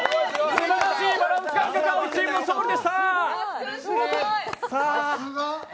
すばらしいバランス感覚、青チームの勝利です。